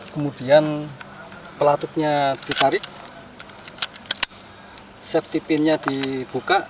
kemudian pelatutnya ditarik safety pin nya dibuka